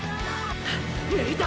抜いた！！